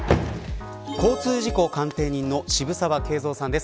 交通事故鑑定人の澁澤敬造さんです。